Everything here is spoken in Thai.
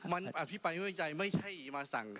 มันอภิปัยไม่บังใจไม่ใช่มาซัง